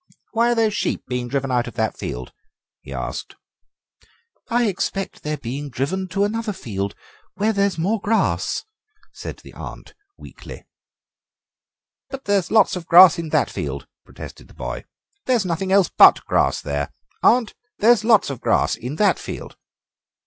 "Why are those sheep being driven out of that field?" he asked. "I expect they are being driven to another field where there is more grass," said the aunt weakly. "But there is lots of grass in that field," protested the boy; "there's nothing else but grass there. Aunt, there's lots of grass in that field."